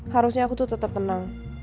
harusnya aku tuh tetap tenang